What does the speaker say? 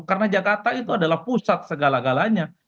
karena jakarta itu adalah pusat segala galanya